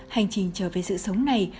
hành trình trở về sự sống này